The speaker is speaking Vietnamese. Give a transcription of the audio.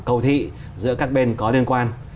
cầu thị giữa các bên có liên quan